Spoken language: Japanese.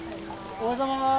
おはようございます！